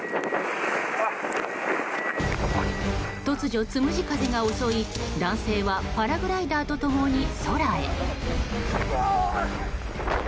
突如、つむじ風が襲い男性はパラグライダーと共に空へ。